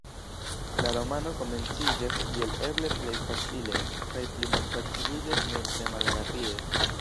La romano komenciĝas kiel eble plej facile, kaj pli malfaciliĝas nur tre malrapide.